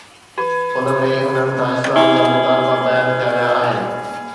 ان ۾ انهن کان اسلام جا مطالبا بيان ڪيا ويا آهن.